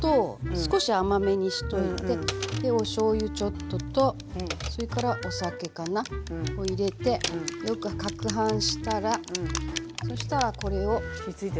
少し甘めにしといてでおしょうゆちょっととそれからお酒かな。を入れてよくかくはんしたらそしたらこれをついてる？